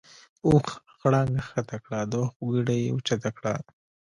اوښ غړانګه کښته کړه د وښو ګیډۍ یې اوچته کړه.